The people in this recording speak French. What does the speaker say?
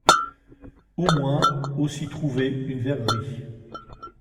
Au moins au s'y trouvait une verrerie.